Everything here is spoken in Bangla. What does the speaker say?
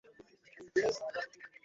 শুনো, এটা খেলার জন্য একটা জামা পড়তে হয়।